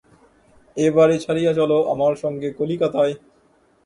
এ বাড়ি ছাড়িয়া চলো আমার সঙ্গে কলিকাতায়।